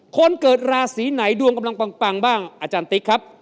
คนเกิดราศีไหนดวงกำลังปังบ้างอาจารย์ติ๊กครับ